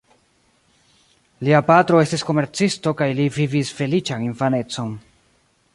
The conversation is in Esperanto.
Lia patro estis komercisto kaj li vivis feliĉan infanecon.